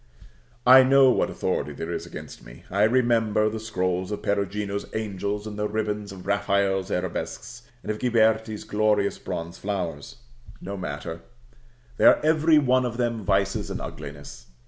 I know what authority there is against me. I remember the scrolls of Perugino's angels, and the ribands of Raphael's arabesques, and of Ghiberti's glorious bronze flowers: no matter; they are every one of them vices and uglinesses.